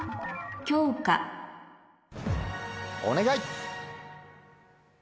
お願い！